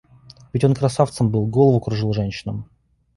Ведь он красавцем был, голову кружил женщинам.